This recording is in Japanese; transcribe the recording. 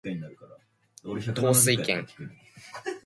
統帥権